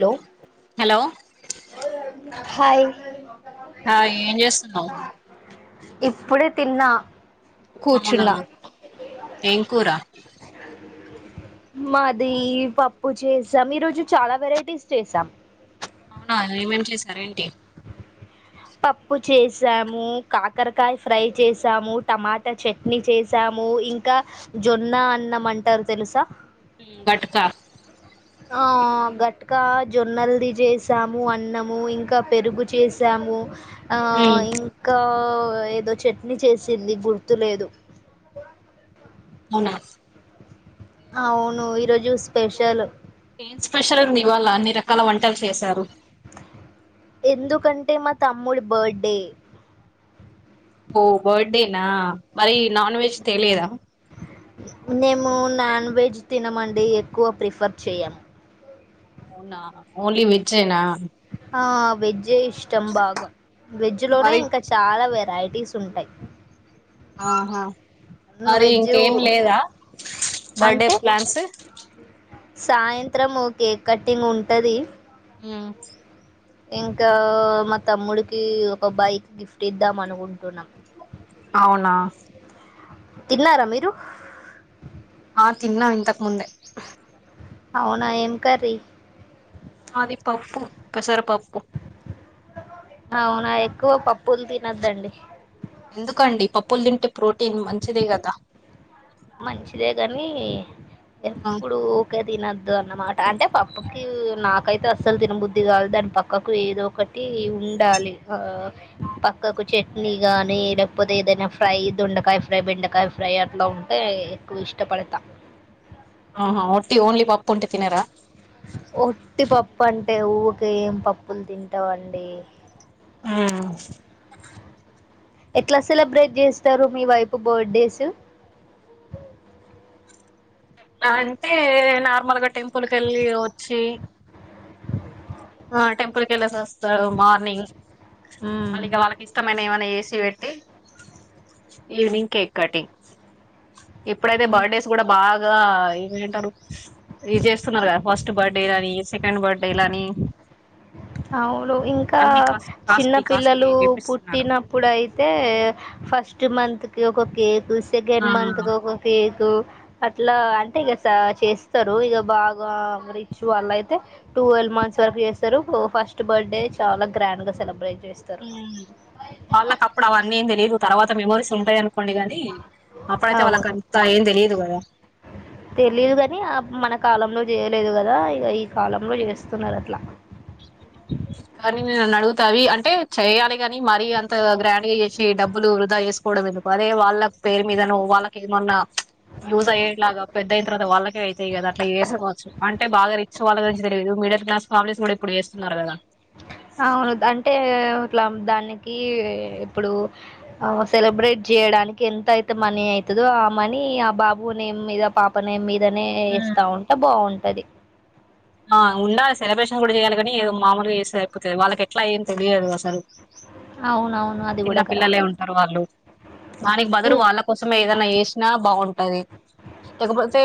Hello hello hi hi ఏం చేస్తున్నావ్ ఇప్పుడే తిన్నా అవునా కూర్చున్నా ఏం కూరా మాది పప్పు చేసాం ఈ రోజు చాలా వెరైటీస్ చేసాం అవునా ఏమేం చేసారేంటి పప్పు చేసాము కాకరకాయ ఫ్రై చేసాము టమాటా చట్నీ చేసాము ఇంకా జొన్న అన్నం అంటారు తెలుసా ఘట్కా ఆ గట్కా జొన్నల్ది చేసాము అన్నము ఇంకా పెరుగు చేసాము ము ఆ ఉమ్, ఇంకా ఏదో చట్నీ చేసింది గుర్తులేదు అవునా అవును ఈరోజు స్పెషల్ ఏం స్పెషల్ ఉంది ఇవాళ అన్ని రకాల వంటలు చేశారు ఎందుకంటే మా తమ్ముడు బర్త్డే ఓ బర్త్డేనా మరి నాన్ వెజ్ తెలేదా మేము నాన్ వెజ్ తినమండి ఎక్కువ ప్రిఫర్ చేయము అవునా ఓన్లీ వేజ్ ఎ నా ఆ వెజ్ ఇష్టం బాగా వెజ్ లోనే మరి ఇంకా చాలా వెర రైటీస్ ఉంటాయి ఆహా మరి వెజ్ ఇంకేం లేదా బర్త్డే ప్లాన్స్ సాయంత్రము కేక్ కట్టింగ్ ఉంటది ఆ ఇంకా మా తమ్ముడికి ఒకబ్ బాయికి గిఫ్ట్ పుట్టిద్దాం అనుకుంటున్నాం అవునా తిల్న్నారా మీరు ఆ తిన్నా ఇంతకు ముందే అవునా ఏం కరీ మాది పప్పు పెసర పప్పు అవునా ఎక్కువ పప్పులు తినద్దండి ఎందుకండి పప్పులు తింటే ప్రోటీన్ మంచిదే కదా మంచిదే కాని ఆ, ఎప్పుడు ఒకే తినదు అన్నమాట అంటే పప్పుకి నాకు పక్కయితే అస్సలు తినబుద్ధి కాదు దాని పక్కకు ఏదో ఒకటి ఉండాలి ఆ పక్కకు చట్నీ గాని లేకపోతే ఏదైనా ఫ్రై దొండకాయ ఫ్రై బెండకాయ ఫ్రై అట్లా ఉంట ఎక్కువ ఇష్టపడతా ఆహా ఒట్టి ఓన్లీ పప్పు ఉంటు తినారా ఒట్టి పప్పు అంటే ఊవుక ఏం పప్పులు తింటావండి ఆ ఎట్లా సెలబ్రేట్ చేస్తారు మీ వైపు బర్త్డేస్ అంటే నార్మల్ గా టెంపుల్ క వెళ్ళి వచ్చి ఆ టెంపుల్క వెళ్ళేసి వస్తాడు మార్నింగ్ మ్మ్ మళ్ళ ఇక వాళ్ళకి ఇష్టమైన ఏమైనా ట్టి ఈవనింగ్ కేక్ కటింగ్ ఇప్పుడైతే మా బర్త్డేస్ కూడా బాగా ఇమంటారు ఇది చేస్తున్నారు కదా ఫస్ట్ బర్త్డే లాని సెకండ్ బర్త్డే లాని అవువు కాస్ట్ ఇంన్న కాస్ట్లీ కాస్ట్లీ పల్లలు చేపిస్తున్నారు పుట్టిప్పుడు మంత్ కి ఒక కేక్ సెకండ్ ఆ మంత్ కి ఒకొ కే అట్లా అంటే ఇక చేస్తారు ఇక బాగా రిచ్ అలా అయితే టువెల్వ్ మంత్స్ వరకు చేస్తారు ఫస్ట్ బర్త్ డే చాలా గ్రాండ్ గాెలబ్రేట్ వాళ్ళకప్పుడు అవన్నీ ఏ తెలియదు తర్వాత మెమోరీస్ ఉంటాయను ండి కాగాని అప్పుడైతే వాళ్ళ అవును అ ఏం తెలియదు కదా తెలీదు కాని ఆ మన కాలంలో చేయలేదు కదా ఇక ఈ కాలంలో చేస్తున్నారు అట్లా కానీ నే నన్ను అడుగుతావి అంటే చేయాలి కాని మరీ అంత గ్రాండ్ గా చేసి డబ్బులు వృధా చేసుకోవడం ఎందుకు అదే వాళ్ళ పేరు మీదను వాళ్ళకి ఏమన్నా యూజ్ అయేలాగా పెద్ద అయిన తర్వాత వాళ్ళకే అయితయిదా అట్లా వేసుకోవచ్చు అంట బాగా రిచ్చి వాళ్ళ తెదు మ మీడిల్ క్స్ ఫ్యామిలీస్ కూడా ఇప్పుడు వేస్తున్నారు కదా అవును అంటే ఇట్లా దానికి ఇప్పుడు సెలబ్రేట్ చేయడానికి ఎంత అయితే మనీ అయి ఇదో ఆ మనీ ఆ బాబు నేమ్ మీద పాప నేమ్ మీదనే ఉమ్ వేస్తా ఉంటే బావుంటది ఆ ఉండాలి సెలబ్రేషన్ కూడా చేయాలి కాని ఏదో మామూలుగా చేస్తే అయిపోతది వాళ్ళకి ఎట్లా ఏమీ తెలియదు అసలు అవునా చిన్న పిల్లలే ఉంటారు వాళ్ళు దానికి బదులు ఇం వాళ్ళ కోసమే ఏదన్నా ఏసినా బాగుంటది లేకపోతే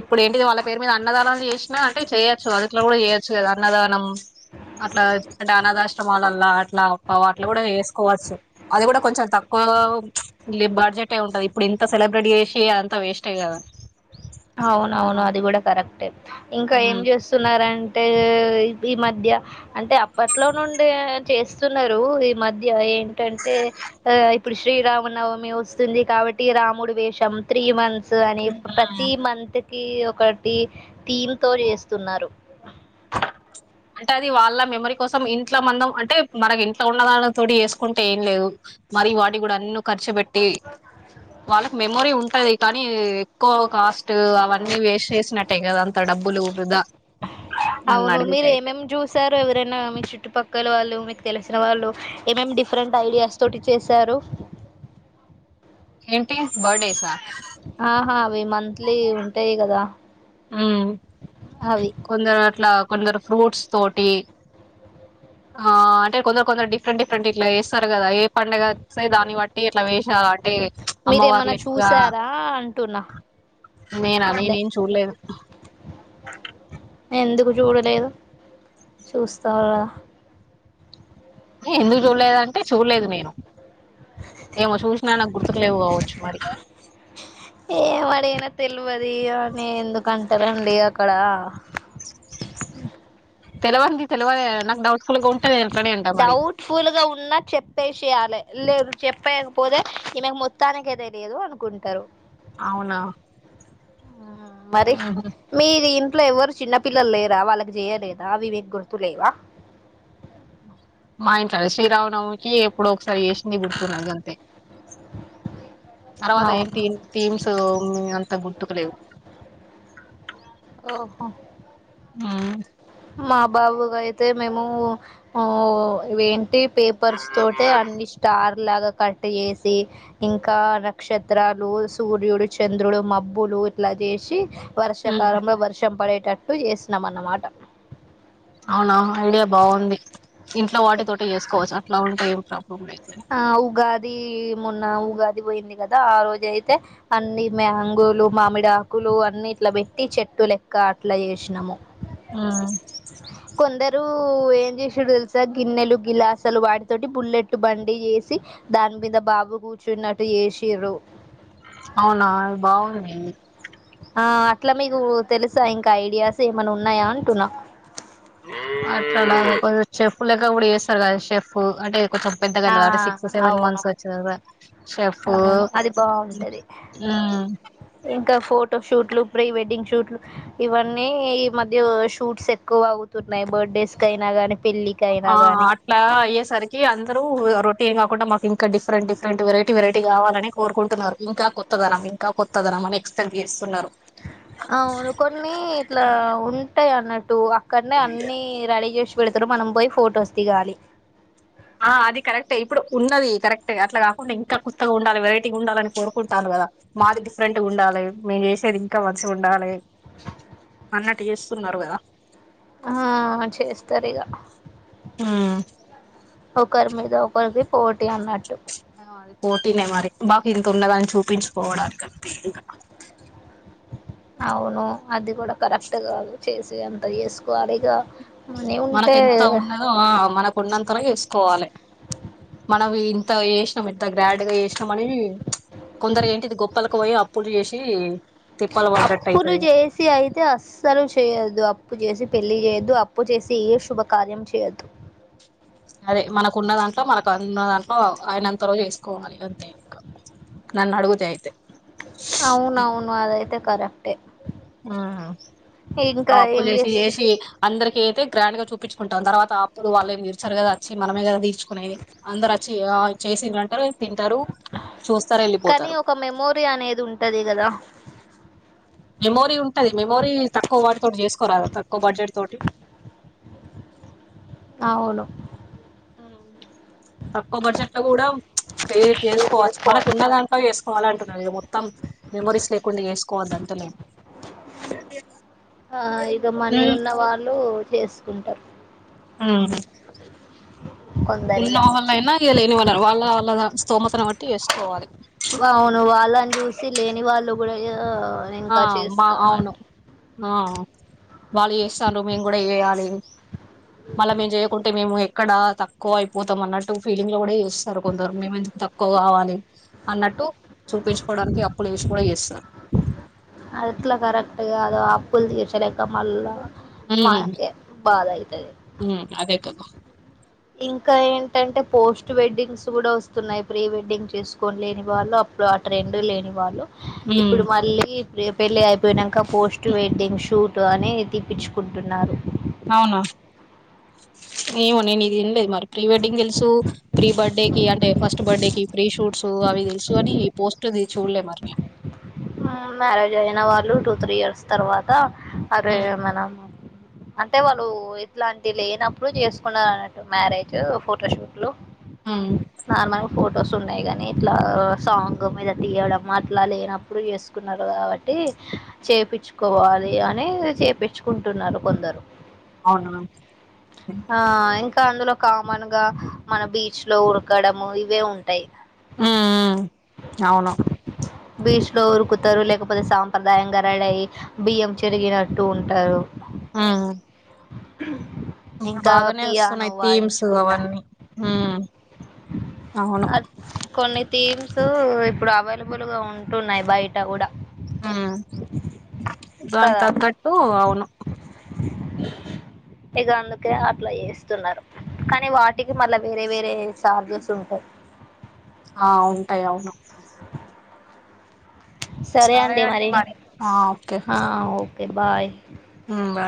ఇప్పుడు ఏంటిది వాళ్ళ పేరు మీద అన్నదానాలు చేసిన చేయచ్చు అదుట్లో కూడా చేయొచ్చు గద అన్నదానం అట్లా అంటే అనాథాశ్రమాలల్లా అట్లా అట్లా కూడా వేసుకోవచ్చు అది కూడా కొంచెం తక్కువ ఓ బడ్జెట్ఏ ఉంటది ఇప్పుడు ఇంత సెలబ్రేట్ చేసి అంత వేస్టే కదా అవునవును అది కూడా కరెక్టే ఇంకా ఏం మ్మ్ చేస్తున్నారంటే ఈ మధ్య అంటే అప్పట్లో నుండి చేస్తున్నారు ఈ మధ్య ఏంటి అంటే ఆ ఇప్పుడు శ్రీరామనవమి వస్తుంది కాబట్టి రాముడు వేషం త్రీ మం వస్తదని ప్రతి మంత్ కి ఒకటి థీమ్ తో చేస్తున్నారు అంటే అది వాళ్ళ మెమరీ కోసం ఇంట్ల మందం అంటే మనకి ఇంట్లో ఉన్నదానితో చేసుకుంటే ఏం లేదు మరి వాటికి కూడా అన్ని ఖర్చు పెట్టి వాళ్ళకి మెమోరీ ఉంటది కానీ ఎక్కువ కాస్ట్ అవన్నీ వేస్ట్ చేసినట్టే కదా అంత డబ్బులు వృధా నన్ను అవును అడిగి మీరు ఏమేమి చూసారు ఎవరైనా మీ చుట్టుపక్కల వాళ్ళు మీకు తెలిసిన వాళ్ళు ఏమేమి డిఫరెంట్ ఐడియాస్ తోటి చేస్త సారు ఏంటి బర్డేస ఆహా అవి మంత్లీ ఉంటాయి కదా మ్ అవి కొందరట్లా, కొందరు ఫ్రూట్స్ తోటి. ఆహా ఆ అంటే కొందరు కొందరు డిఫరెంట్ డిఫరెంట్ ఇట్లా వేస్తారు కదా ఏ పండగస్త దాన్ని బట్టి ఇట్లా వేషా అంటే మీరేమన్నా అమ్మవార్లక్క చూసారా అంటున్నా నేనా లే నేనేం చూడలేదు ఎందుకు చూడలేదు చూస్తా ఎందుకు చూడలేదు అంటే చూల్లేదు నేను ఏమో చూసినా నాకు గుర్తుకులేవు కావచ్చు మరి. వరి అని ఎందుకంటరండి అక్కడ తెల్లవారింది తెల్లవారి నాక్డౌట్ డౌట్ఫుల్గా ఉన్నా చెప్పేసేయలే లేదు చెప్పేయకపోతే ఈమెకు మొత్తానికే తెలియదు అనుకుంటారు అవునా మ్ మరి ఉహు మీ దీన్ ఎవ్వరూ చిన్న పిల్లల్ లేరా? వాళ్ళకి జెయలేదా అవి వీక్ గుర్తులేవా? మా ఇంట్ల శ్రీరావనవమికి ఎప్పుడో ఒక్కసారి చేసింది గుర్తున్న గంతే. తర్వాత అవును ఏంటి థీమ్స్ అంత గు తొక్క లేవ్ ఓహో మ్ మా బాబుగా అయితే మేము ఊ వేంటి పేపర్స్ తోటే అన్నిష్ స్టార్ లాగా కట్ చేసి ఇంకా నక్షత్రాలు సూర్యుడు చంద్రుడు మబ్బులు ఇట్లా జేసి వర్షాకాలంలో వర్షం పడేటట్టు చేసినం అన్నమాట. అవునవునండి ఆ బావుంది. ఇంట్లో వాటితోటె చేసుకోవచ్చ అట్లా ఉంటే ఏం ప్రా. ఆ ఉగాది ఈ మొన్న ఉగాది పోయింది గదా! ఆ రోజైతే అన్ని మ్యాంగోలు, మామిడకులు. అన్ని ఇట్ల బెట్టి చెట్టు లెక్క అట్లా చేసినాము ఆ కొందరు ఏం చేసిండు తెలుసా గిన్నెలు గిలాసలు వాటితోటి బుల్లెట్ బం డి చేసి దాని మీద బాబు కూర్చున్నట్టు చేసిరు అవునా బా [unintelligible] ఆ అట్లా మీకు తెలుసా ఇంకా ఐడియాస్ ఏమైన్న ఉన్నాయా అంటున్నా కొ షెఫ్ లెక కూడా చేస్తారు కదా షెఫ్ అంటే కొంచం పెద్దగైన ఆ తరువాత సిక్స్ సెవెన్ అవును మంత్స్ వచ్చి కదా షెఫ్ హు అవును అది ఇంక ఫోటో షూట్లు ప్రీ వెడ్డింగ్ షూట్లు ఇవన్నీ ఈ మధ్య షూట్స్ ఎక్కువ అగుతున్నాయి బర్త్డేస్కి అయిన కానీ ఆ అట్లా అయ్యేసరికి అ అందరు రొటీన్ కాకుండా మాకు ఇంకా డిఫరెంట్ డిఫరెంట్ వెరైటీ వెరైటీ కావాలని కోరుకుంటున్నారు ఇంకా కొత్తగా ఇంకా కొత్తదనం మమని ఎక్స్పెంట్ చేస్తున్నారు అవును కొన్ని ఇట్ల ఉంటాయి అన్నట్టు అక్కనేే అన్ని రడి చేసి పెడతారు మనం పోయి ఫోటోస్ దిగాలి ఆ అది కరెక్ట్ ఇప్పుడు ఉన్నది కరెక్ట్ే అట్ కాకుండా ఇంకా కొత్తగా ఉండాలి వెరైటీగా ఉండాలని కోరుకుంటరు మాది డిఫరెంట్గా ఉండాలి మేము చేసేది ఇంకా మంచిగా ఉండాలి అన్నట్టు చేస్తున్నారు కద ఆ చేస్తారు ఇగ హు ఒకరి మీద ఒకరికి పోటీ అన్నట్టు ఆ అది పోటీనే మరి బాక ఇంత ఉన్నదాని చూపించుకోవడానికి చేసేదంత చేసుకోవాలి ఇగ మనీ మనకీ ఉంటే ఎంత ఉన్నదో మనకు ఉన్నంతలో చేసుకోవాలి మనవి ఇంత చేసినాం ఎంత గ్రాండ్ గా చేసినాం అని కొందరు ఏంటిది గొప్పలకి పోయి అప్పులు చేసి తిప్పలు పడ్డట్టు అప్పును అయితది చేసి అయితే అస్సలు చేయొద్దు అప్పు చేసి పెళ్లి చే అప్పు చేసి ఏ శుభకార్యం చేయొద్దు అదే మనకు ఉన్న దాంట్లో మనకున్న దాంట్లో ఆయనంతలో చేసుకోవాలి అంతే ఇంక నన్అడుగుదే అయితే అవునవును అదైతే కరెక్టే ఆ ఆ ఇంకా అప్పులు ఏం చేసి చేస్తు చేసి అందరికి అయితే గ్రాండ్ గా చూపించుకుంటాం తర్వాత ఆప్పులు వాళ్ళ ఎమీ తీర్చారు గద వచ్చి మనమే గ తీర్చుకునేది అందరు వచ్చి చేసిండ్రు అంటార [unintelligible] తింటారు చూస్తరు కానీ వెళ్ళిపోతారు ఒక మెమోరీ అనేది ఉంటది కదా మెమోరీ ఉంటది మెమోరీ తక్కువ వాటితోటి చేసుకోరాద తక్కువ బడ్జెట్ తోటి అవును తక్కువ బడ్జెట్ లో కూడ చేసుకోవచ్చు మనకు ఉన్న దాంట్లో చేసు పోవాల అంటున్నా మొత్తం మెమరీస్ లేకుండా చేసుకోవద్దు అంట [unintelligible] ఆ ఇగ మనీ ఉన్న వాళ్ళు చేసుకుంట ఉ ఉన్న కొందరిగా వాళ్ళ అయినా ఇగ లేని వాళ వాళ్ళ వాళ్ళ స్తోమతను బట్టి చేసుకోవాలి అవును వాళ్ళని చూసి లేని వాళ్ళు కూడ ఆ మా అవును వాళ్ళు చేస్తండ్రు మేము కూడ చేయాలి మళ్ళా మేము చేయకు అంటే మేము ఎక్కడ తక్కువ అయిపోతాం అన్నట్టు ఫీలింగ్ లో కూడ చూస్తారు కొందరు మేము ఎందుకు తక్కువ కావాలి అన్నట్టు చూపించుకోవడానికి అప్పులు చేసి కూడ చేస్తారు అట్లా కరెక్ట్గా కాదు ఆప్పుల్ తీర్చలేక మల్లా ఉమ్ మనకే బాధ అయితది ఉమ్ అదే కదా ఇంకా ఏంటంటే పోస్ట్ వెడ్డింగ్స్ కూడా వస్తున్నాయి ప్రీ వెడ్డింగ్ చేసుకోని లేని వాళ్ళు ఇప్పుడు ఆ ట్రెండు లేని వాళ్ళు ఉమ్ ఇప్పుడు మళ్ళీ పెళ్ళి అయిపోయినాక పోస్ట్ వెడ్డింగ్ షూట్ అని తీప్పించుకుంటున్నారు అవునా నవు నేను ఇది ఎం లే ఇది మరి ప్రీ వెడ్డింగ్ తెెలుసు ప్రీ బర్త్డే కి అంటే ఫస్ట్ బర్త్డేకి ప్రీ షూట్స్ అవి తెలుసు అని ఈ పోస్ట్ది చూడలే మరి నే మ్యారేజ్ అయిన వాళ్ళు టూ త్రీ ఇయర్స్ తర్వాత అదే మన అంటే వాళ్ళు ఇట్లాంటి లేనప్పుడు చేసుకున్నారు అన్నట్టు మ్యారేజ్ ఫోటోషూట్లు నార్మల్ ఫొటోస్ ఉన్నాయి కాగానీ ఇట్లా సాంగ్ మీద తీయడం అట్లా లేనప్పుడు చేస్తు న్నారు కాబట్టి చేయించుకోవాలి అని చేపంచుకుంటున్నారు కొందరు అవును ఆ ఇంకా అందులో కామన్ గా మన బీచ్ లో ఉరకడము ఇవే ఉంటాయి ఉమ్ అవును బీచ్ లో ఉరుకుతారు లేకపోతే సాంప్రదాయ బియ్యం చెరిగినట్టు ఉంటారు ఆ ఇంకా పియానో వస్తున్నాయి థీమ్స్ వాయించుకుంటా అవన్నీ అవును అ కొన్ని థీమ్స్ ఇప్పుడు అవైలబుల్ గా ఉంటున్నాయి బయట కూడా హ దాని కదా తగట్టు అవును ఇక అందుకే అట్లా చేస్తున్నారు కానీ వాటికి మళ్ళా వేరే వేరే చార్జెస్ ఉంటాయి ఆ ఉంటాయి అవును సరే అడి అండి మరిా మరి ఓకే బాయ్ బా